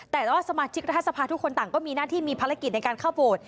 แต่ว่าสมาชิกรัฐสภาทุกคนต่างก็มีหน้าที่มีภารกิจในการเข้าโหวต